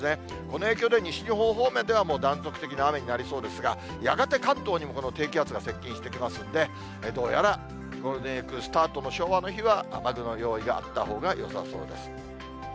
この影響で西日本方面ではもう断続的な雨になりそうですが、やがて関東にもこの低気圧が接近してきますんで、どうやらゴールデンウィークスタートの昭和の日は、雨具の用意があったほうがよさそうです。